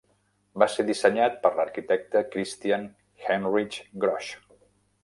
Va ser dissenyat per l'arquitecte Christian Heinrich Grosch.